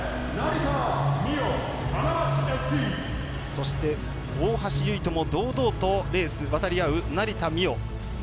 そして、大橋悠依とも堂々とレース渡り合う成田実生。